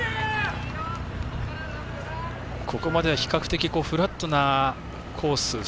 ここまでは比較的フラットなコース。